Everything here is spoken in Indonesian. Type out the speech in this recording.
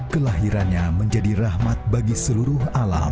kelahirannya menjadi rahmat bagi seluruh alam